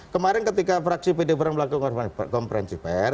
kemarin ketika fraksi pdi perjuangan melakukan komprensi pr